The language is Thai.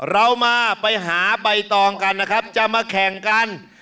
เรามาไปหาใบตองกันนะครับจะมาแข่งกัน